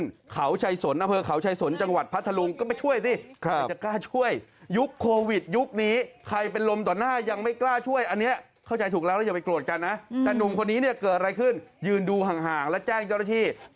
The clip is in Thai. ทำไมเป็นคอวิทธิ์าวทำไมล้มอยู่นี่